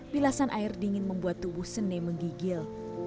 bilasan air dingin membuat tubuh sene menggigil